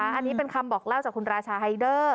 อันนี้เป็นคำบอกเล่าจากคุณราชาไฮเดอร์